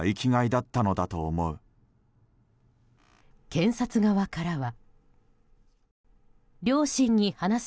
検察側からは。